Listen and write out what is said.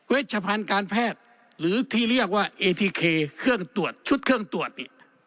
เวชภัณฑ์การแพทย์หรือที่เรียกว่าเอทีเคชุดเครื่องตรวจนี่